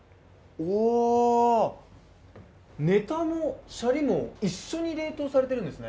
ネタもシャリも一緒に冷凍されてるんですね。